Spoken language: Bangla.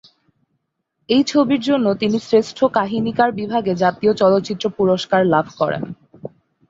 এই ছবির জন্য তিনি শ্রেষ্ঠ কাহিনীকার বিভাগে জাতীয় চলচ্চিত্র পুরস্কার লাভ করেন।